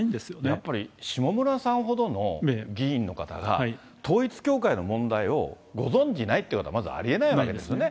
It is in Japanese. やっぱり下村さんほどの議員の方が、統一教会の問題をご存じないっていうのは、まず、ありえないわけですよね。